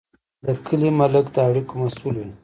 د کلي ملک د اړیکو مسوول وي.